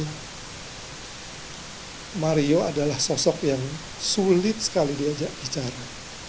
karena mario adalah sosok yang sulit sekali diajak bicara